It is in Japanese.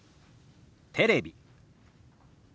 「テレビ」。